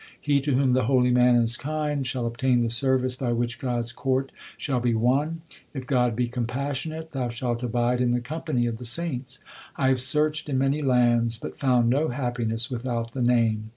He to whom the holy man is kind, shall obtain the service by which God s court shall be won. If God be compassionate thou shalt abide in the company of the saints I have searched in many lands, but found no happiness without the Name.